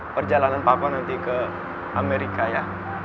perjalanan papua nanti ke amerika ya